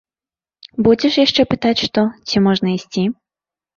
Будзеш яшчэ пытаць што, ці можна ісці?